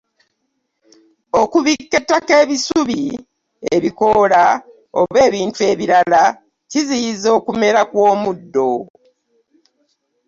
Okubikka ettaka ebisubi, ebikoola oba ebintu ebirala, kiziyiza okumera kw’omuddo.